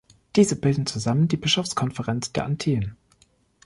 Diese bilden zusammen die Bischofskonferenz der Antillen.